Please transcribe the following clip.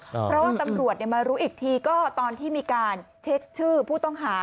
เพราะว่าตำรวจมารู้อีกทีก็ตอนที่มีการเช็คชื่อผู้ต้องหา